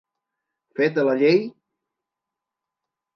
Feta la llei...